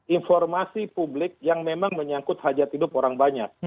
informasi publik yang memang menyangkut hajat hidup orang banyak